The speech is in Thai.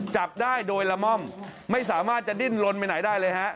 จับได้โดยละม่อมไม่สามารถจะดิ้นลนไปไหนได้เลยฮะ